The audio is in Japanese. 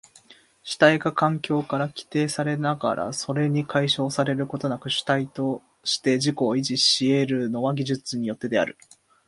主体が環境から規定されながらそれに解消されることなく主体として自己を維持し得るのは技術によってである。